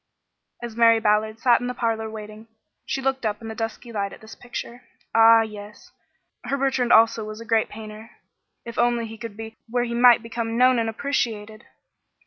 As Mary Ballard sat in the parlor waiting, she looked up in the dusky light at this picture. Ah, yes! Her Bertrand also was a great painter. If only he could be where he might become known and appreciated!